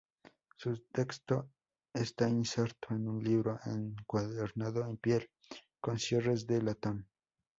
Su texto está inserto en un libro encuadernado en piel con cierres de latón.